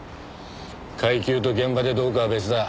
階級と現場でどうかは別だ。